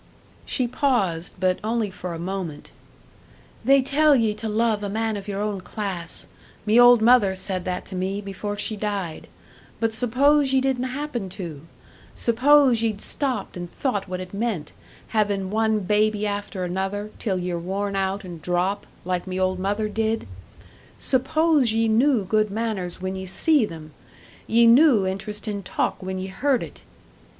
She paused, but only for a moment. "They tell ye to love a man of your own class. Me old mother said that to me, before she died. But suppose ye didn't happen to? Suppose ye'd stopped and thought what it meant, havin' one baby after another, till ye're worn out and drop like me old mother did? Suppose ye knew good manners when ye see them ye knew interestin' talk when ye heard it!"